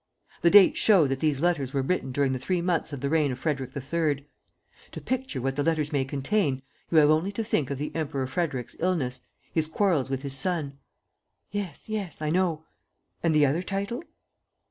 The dates show that these letters were written during the three months of the reign of Frederick III. To picture what the letters may contain, you have only to think of the Emperor Frederick's illness, his quarrels with his son ..." "Yes, yes, I know. ... And the other title?"